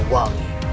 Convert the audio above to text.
tidak akan berjual